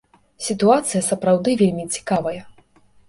Сітуацыя сапраўды вельмі цікавая.